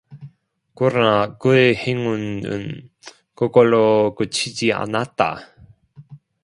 그러나 그의 행운은 그걸로 그치지 않았다.